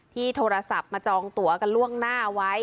โทรศัพท์มาจองตัวกันล่วงหน้าไว้